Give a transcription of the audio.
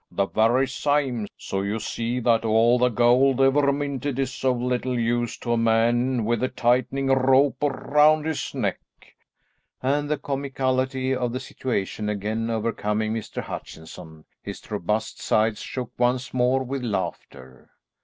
"The very same, so you see that all the gold ever minted is of little use to a man with a tightening rope round his neck." And the comicality of the situation again overcoming Mr. Hutchinson, his robust sides shook once more with laughter.